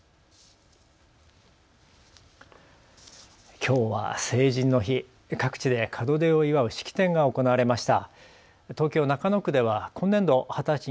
きょうは成人の日、各地で門出を祝う式典が行われました。